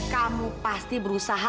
kamu pasti berusaha